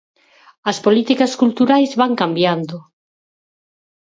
As políticas culturais van cambiando.